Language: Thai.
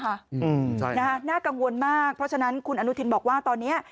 อืมใช่นะฮะน่ากังวลมากเพราะฉะนั้นคุณอนุทินบอกว่าตอนนี้